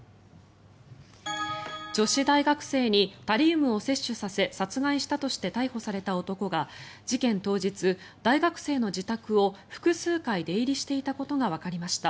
女子大学生にタリウムを摂取させ殺害したとして逮捕された男が事件当日、大学生の自宅を複数回出入りしていたことがわかりました。